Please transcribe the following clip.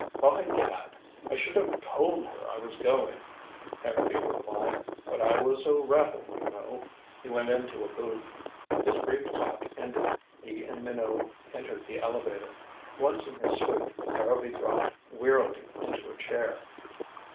"By gad I should have told her I was going," Harrowby replied. "But I was so rattled, you know " He went into a booth. His brief talk ended, he and Minot entered the elevator. Once in his suite, Harrowby dropped wearily into a chair.